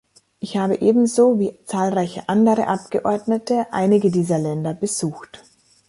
Ich habe ebenso wie zahlreiche andere Abgeordnete einige dieser Länder besucht.